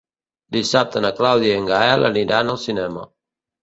Dissabte na Clàudia i en Gaël aniran al cinema.